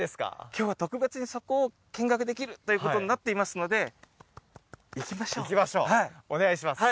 今日は特別にそこを見学できるということになっていますので行きましょうお願いします